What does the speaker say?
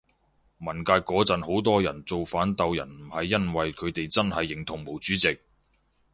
文革嗰陣好多人造反鬥人唔係因爲佢哋真係認同毛主席